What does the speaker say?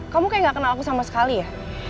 kamu kayak gak kenal aku sama sekali ya